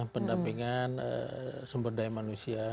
pendampingan sumber daya manusia